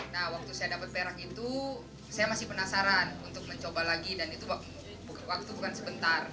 nah waktu saya dapat perak itu saya masih penasaran untuk mencoba lagi dan itu waktu bukan sebentar